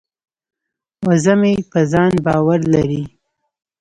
وزه مې په ځان باور لري.